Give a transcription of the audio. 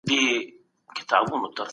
څه شی ذهني تشویش نور هم زیاتوي؟